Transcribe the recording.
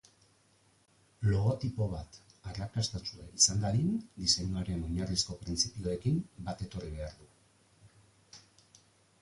Logotipo bat arrakastatsua izan dadin, diseinuaren oinarrizko printzipioekin bat etorri behar du.